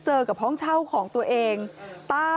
เจ้าของห้องเช่าโพสต์คลิปนี้